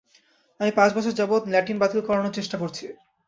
আমি পাঁচ বছর যাবৎ ল্যাটিন বাতিল করানোর চেষ্টা করছি।